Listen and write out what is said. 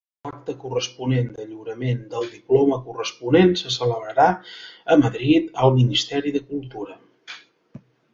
L'acte corresponent de lliurament del diploma corresponent se celebrà a Madrid al Ministeri de Cultura.